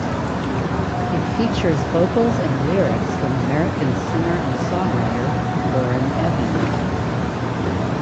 It features vocals and lyrics from American singer and songwriter Lauren Evans.